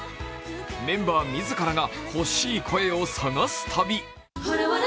メンバー自らが欲しい声を探す旅。